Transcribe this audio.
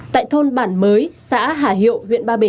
tại thôn bản mới xã hà hiệu huyện ba bể